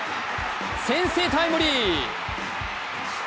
先制タイムリー！